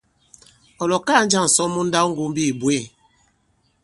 Ɔ̀ lɔ̀kaa njâŋ ǹsɔn mu nndawŋgombi ǐ bwě ?